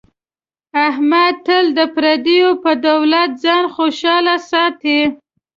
احمد تل د پردیو په دولت ځان خوشحاله ساتي.